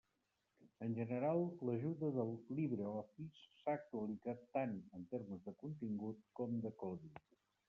En general, l'ajuda del LibreOffice s'ha actualitzat tant en termes de contingut com de codi.